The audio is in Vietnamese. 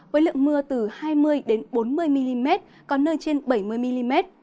với lượng mưa từ hai mươi bốn mươi mm có nơi trên bảy mươi mm